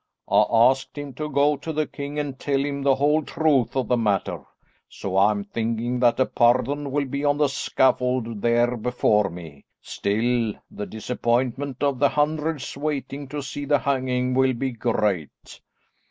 I asked him to go to the king and tell him the whole truth of the matter, so I'm thinking that a pardon will be on the scaffold there before me; still, the disappointment of the hundreds waiting to see the hanging will be great."